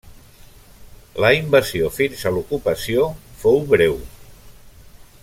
La invasió fins a l'ocupació fou breu.